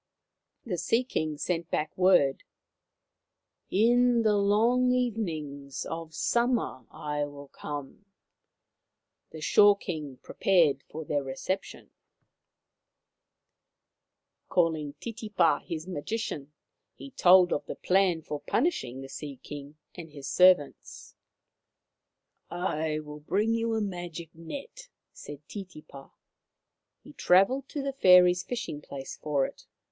The Sea King sent back word :" In the long evenings of summer I will come." The Shore King prepared for their reception. 151 I i52 Maoriland Fairy Tales Calling Titipa, his magician, he told him of the plan for punishing the Sea King and his ser vants. " I will bring you a magic net/' said Titipa. He travelled to the fairies' fishing place for it.